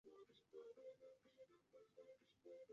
小叶粗筒苣苔为苦苣苔科粗筒苣苔属下的一个种。